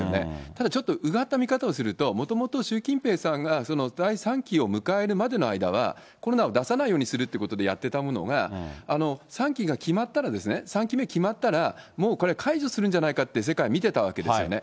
ただちょっとうがった見方をすると、もともと習近平さんが第３期を迎えるまでの間は、コロナを出さないようにするということでやってたものが、３期が決まったら、３期目決まったら、もうこれは解除するんじゃないかというふうに世界、見てたわけですよね。